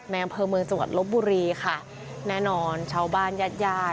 ในอำเภอเมืองสมกัดลบบุรีค่ะแน่นอนชาวบ้านยาด